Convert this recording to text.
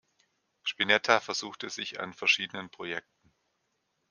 Spinetta versuchte sich an verschiedenen Projekten.